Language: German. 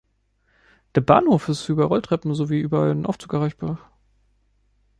Der Bahnhof ist über Rolltreppen sowie über einen Aufzug erreichbar.